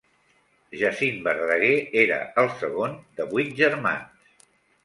Jacint Verdaguer era el segon de vuit germans.